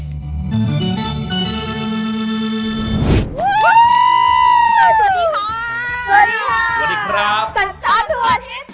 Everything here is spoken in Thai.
สวัสดีค่ะสวัสดีค่ะสวัสดีครับสัญจรทั่วอาทิตย์